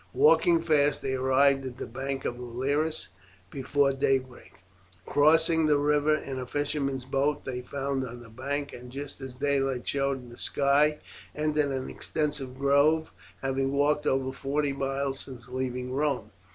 Walking fast they arrived at the bank of the Lyris before daybreak, crossed the river in a fisherman's boat they found on the bank, and just as daylight showed in the sky entered an extensive grove, having walked over forty miles since leaving Rome.